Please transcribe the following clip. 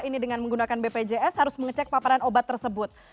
ini dengan menggunakan bpjs harus mengecek paparan obat tersebut